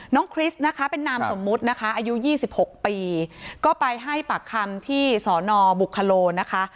คริสนะคะเป็นนามสมมุตินะคะอายุ๒๖ปีก็ไปให้ปากคำที่สอนอบุคโลนะคะ